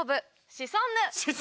シソンヌ！